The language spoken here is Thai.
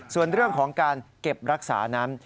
ส่วนเรื่องของการเก็บรักษานั้น